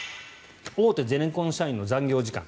大手ゼネコン社員の残業時間。